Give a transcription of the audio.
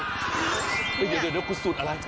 เดี๋ยวกูสูตรอะไร